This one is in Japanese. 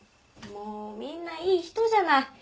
もうみんないい人じゃない。